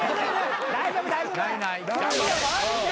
大丈夫大丈夫。